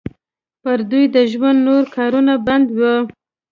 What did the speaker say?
پر دوی د ژوند نور کارونه بند وو.